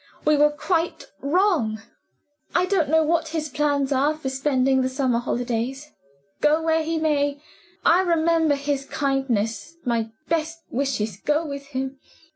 We were quite wrong. I don't know what his plans are for spending the summer holidays. Go where he may, I remember his kindness; my best wishes go with him.